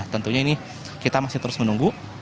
tentunya ini kita masih terus menunggu